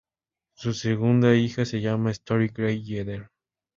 Su segunda hija se llama Story Grey Jeter.